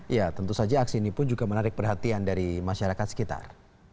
ya tentu saja aksi ini pun juga menarik perhatian dari masyarakat sekitar